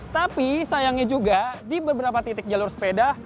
tapi sayangnya juga di beberapa titik jalur sepeda